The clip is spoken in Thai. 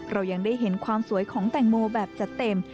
เรายังได้เห็นความสวยของแตงโมแบบจัดเต็ม